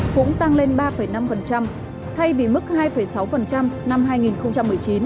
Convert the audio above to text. cũng tăng lên ba năm thay vì mức hai sáu năm hai nghìn một mươi chín